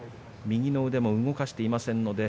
右の腕を動かしていません。